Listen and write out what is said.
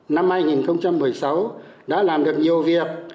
năm hai nghìn một mươi sáu đã làm được nhiều việc